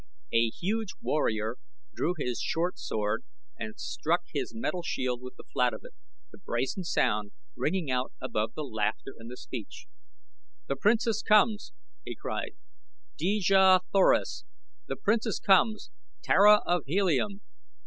A huge warrior drew his short sword and struck his metal shield with the flat of it, the brazen sound ringing out above the laughter and the speech. "The Princess comes!" he cried. "Dejah Thoris! The Princess comes! Tara of Helium!"